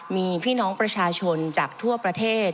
มีพี่น้องประชาชนจากทั่วประเทศ